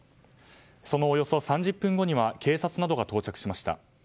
そのおよそ３０分後には警察が到着しました。